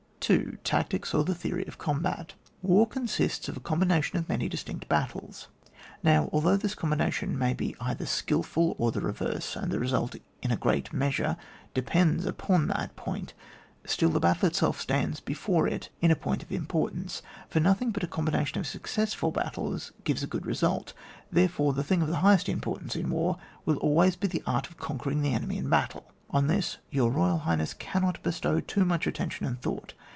n.— TACTICS OR THE THEORY OF COMBAT. War consists of a combination of many distinct battles. Now, although this combination may be either skilful or the reverse, and the result in a great measure depends upon that point, still the battle itself stands before it in point of im portance, for nothing but a combination of successful battles gives a good result Therefore, the thing of the highest im portance in war will always be &e art of conquering the enemy in battle. On this, your Boyal Highness, cannot bestow too much attention and thought.